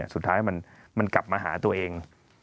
สุดท้ายมันกลับมาหาตัวเอง